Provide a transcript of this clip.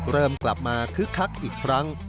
เริ่มกลับมาคึกคักอีกครั้ง